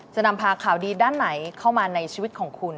จะนำพาข่าวดีด้านไหนเข้ามาในชีวิตของคุณ